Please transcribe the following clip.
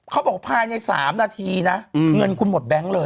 เขาบอกภายใน๓นาทีนะเงินคุณหมดแบงค์เลย